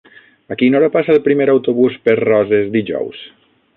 A quina hora passa el primer autobús per Roses dijous?